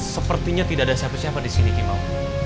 sepertinya tidak ada siapa siapa disini kimau